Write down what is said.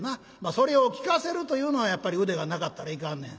それを聴かせるというのはやっぱり腕がなかったらいかんねん。